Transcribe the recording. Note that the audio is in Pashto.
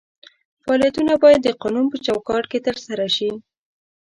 فعالیتونه باید د قانون په چوکاټ کې ترسره شي.